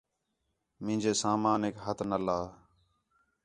مینجے سامانک ہتھ نہ لا